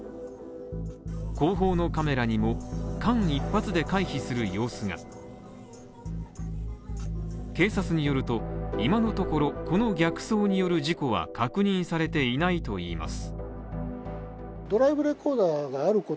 後方のカメラにも間一髪で回避する様子が警察によると、今のところこの逆走による事故は確認されていないといいます。